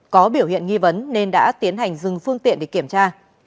có biểu hiện nghi vấn nên đã tiến hành dừng phương tiện để kiểm tra